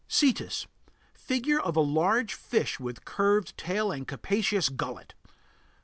CETUS. Figure of a large fish with curved tail and capacious gullet.